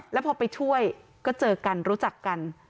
แล้วพอไปช่วยก็เจอกันรู้จักกัน